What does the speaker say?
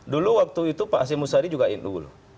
dulu waktu itu pak hasyim musyadi juga nu dulu